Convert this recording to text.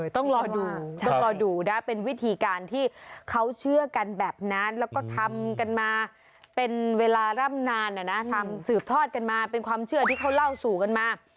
ต้องรอดูต้องรอดูนะเป็นวิธีการที่เขาเชื่อกันแบบนั้นแล้วก็ทำกันมาเป็นเวลาร่ำนานทำสืบทอดกันมาเป็นความเชื่อที่เขาเล่าสู่กันมา